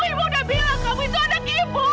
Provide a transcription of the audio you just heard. ibu udah bilang kamu itu anak ibu